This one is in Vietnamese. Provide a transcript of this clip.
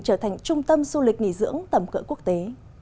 trở thành trung tâm du lịch nghỉ dưỡng tầm cỡ quốc tế